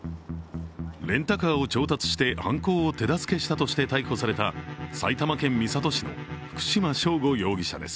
レンタカーを調達して犯行を手助けしたとして逮捕された、埼玉県三郷市の福島聖悟容疑者です。